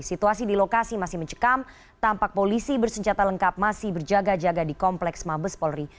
situasi di lokasi masih mencekam tampak polisi bersenjata lengkap masih berjaga jaga di kompleks mabes polri